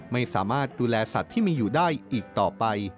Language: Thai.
ไม่สามารถดูแลสัตว์ที่มีอยู่ได้อีกต่อไป